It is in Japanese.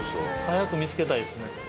早く見つけたいですね。